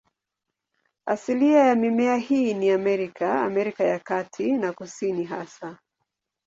Asilia ya mimea hii ni Amerika, Amerika ya Kati na ya Kusini hasa.